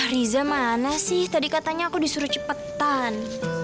riza mana sih tadi katanya aku disuruh cepetan